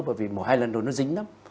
bởi vì mổ hai lần rồi nó dính lắm